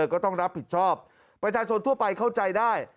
ก็ต้องรับผิดชอบประชาชนทั่วไปเข้าใจได้